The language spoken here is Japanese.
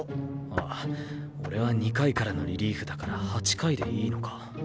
あ俺は２回からのリリーフだから８回でいいのか。